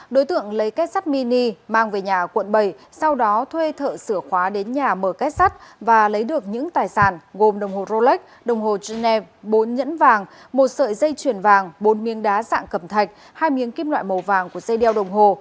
đối tượng lấy kết sắt mini mang về nhà quận bảy sau đó thuê thợ sửa khóa đến nhà mở kết sắt và lấy được những tài sản gồm đồng hồ rolex đồng hồ genève bốn nhẫn vàng một sợi dây chuyền vàng bốn miếng đá dạng cẩm thạch hai miếng kim loại màu vàng của dây đeo đồng hồ